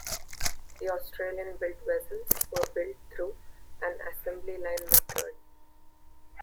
The Australian-built vessels were built through an assembly-line method.